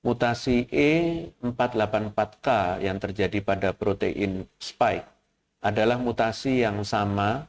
mutasi e empat ratus delapan puluh empat k yang terjadi pada protein spike adalah mutasi yang sama